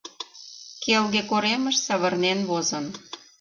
Келге коремыш савырнен возын.